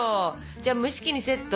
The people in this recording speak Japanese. じゃあ蒸し器にセット。